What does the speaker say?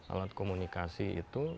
alat komunikasi itu